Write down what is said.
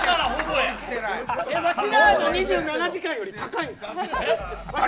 わしらの２７時間より高いんですか。